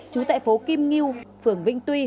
chú tại phố kim nghiêu phường vinh tuy